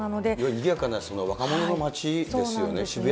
にぎやかな若者の街ですよね。